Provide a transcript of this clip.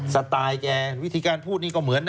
สไตล์แกวิธีการพูดนี่ก็เหมือนนะ